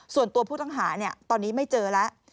ส่วนตัวผู้ต้องหาตอนนี้ไม่เจอแล้ว